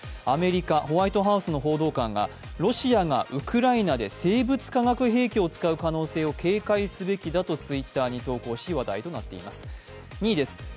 アメリカ・ホワイトハウスの報道官がロシアがウクライナで生物・化学兵器を使う可能性を警戒すべきだとＴｗｉｔｔｅｒに投稿し、話題となっています。